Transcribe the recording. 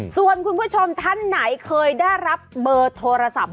ส่วนคุณผู้ชมท่านไหนเคยได้รับเบอร์โทรศัพท์